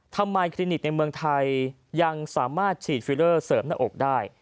คลินิกในเมืองไทยยังสามารถฉีดฟิลเลอร์เสริมหน้าอกได้